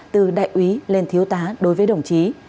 từ đại úy lên thiếu tá đối với đồng chí